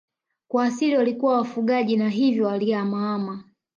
Kwa asili walikuwa wafugaji na hivyo walihamahama